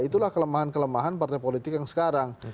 itulah kelemahan kelemahan partai politik yang sekarang